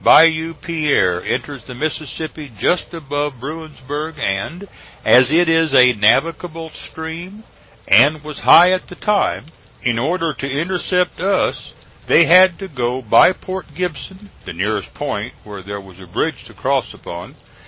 Bayou Pierre enters the Mississippi just above Bruinsburg and, as it is a navigable stream and was high at the time, in order to intercept us they had to go by Port Gibson, the nearest point where there was a bridge to cross upon.